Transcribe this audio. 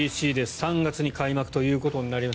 ３月に開幕ということになります。